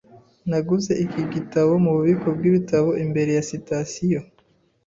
Naguze iki gitabo mububiko bwibitabo imbere ya sitasiyo.